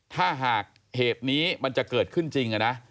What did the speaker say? ถ้าหากเหตุนี้มันจะเกิดขึ้นจริงนะ